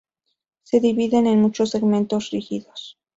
Se dividen en muchos segmentos rígidos.